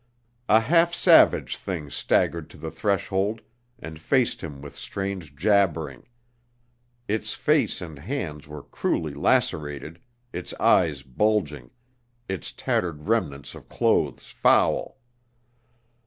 A half savage thing staggered to the threshold and faced him with strange jabbering. Its face and hands were cruelly lacerated, its eyes bulging, its tattered remnants of clothes foul.